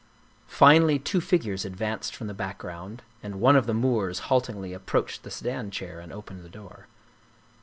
Finally two figures advanced from the background, and one of the Moors haltingly approached the sedan chair and opened the door.